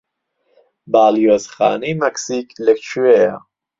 باڵیۆزخانەی مەکسیک لەکوێیە؟